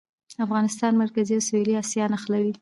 افغانستان مرکزي او سویلي اسیا نښلوي